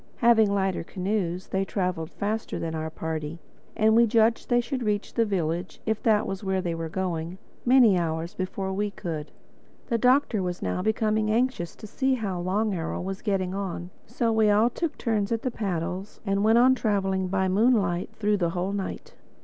Having lighter canoes, they traveled faster than our party; and we judged that they should reach the village—if that was where they were going—many hours before we could. The Doctor was now becoming anxious to see how Long Arrow was getting on, so we all took turns at the paddles and went on traveling by moonlight through the whole night.